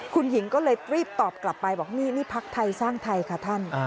คุณหญิงก็เลยรีบตอบกลับไปบอกนี่นี่พักไทยสร้างไทยค่ะท่าน